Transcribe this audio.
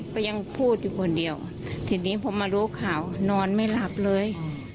ก็ยังพูดอยู่คนเดียวทีนี้พอมารู้ข่าวนอนไม่หลับเลย